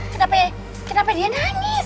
siapa ini kenapa dia nangis